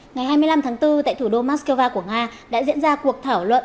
ngày hai mươi năm tháng bốn tại thủ đô moscow của nga đã diễn ra cuộc thảo luận